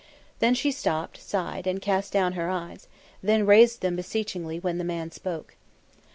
Then she stopped, sighed, and cast down her eyes; then raised them beseechingly when the man spoke.